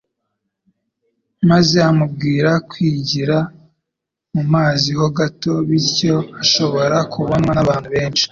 maze amubwira kwigira mu mazi ho gato. Bityo ashobora kubonwa n'abantu benshi